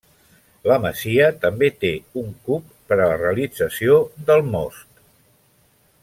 La masia també té un cub per a la realització del most.